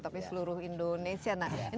tapi seluruh indonesia